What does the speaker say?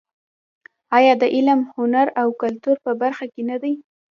آیا د علم، هنر او کلتور په برخه کې نه دی؟